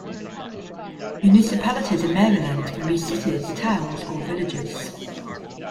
Municipalities in Maryland can be cities, towns, or villages.